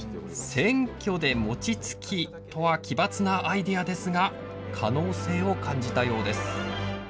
選挙で餅つきとは奇抜なアイデアですが可能性を感じたようです。